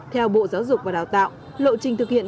theo bộ giáo dục và đào tạo lộ trình thực hiện